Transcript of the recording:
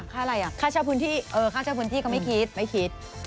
อะไรอ่ะค่าเช่าพื้นที่เออค่าเช่าพื้นที่เขาไม่คิดไม่คิด